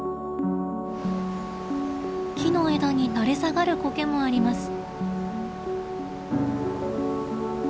木の枝に垂れ下がるコケもあります。